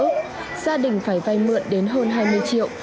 gia đình phải vay mượn đến hơn hai mươi triệu